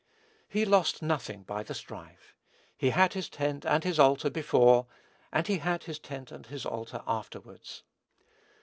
He lost nothing by the strife. He had his tent and his altar before; and he had his tent and his altar afterwards.